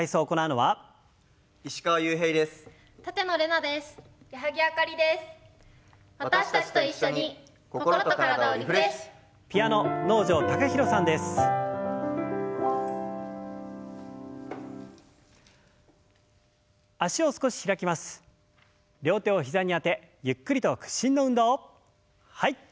はい。